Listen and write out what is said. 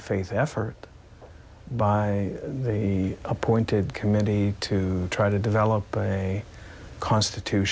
ผมหวังว่าเราจะเห็นปลอดภัยที่สุด